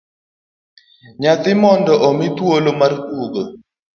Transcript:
Nyathi mondo omi thuolo mar tugo